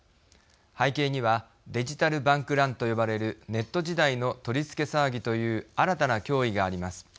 背景にはデジタル・バンク・ランと呼ばれるネット時代の取り付け騒ぎという新たな脅威があります。